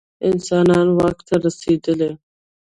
انسانان واک ته رسېدلي.